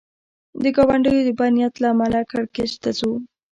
د ګاونډیو د بد نیت له امله کړکېچ ته ځو.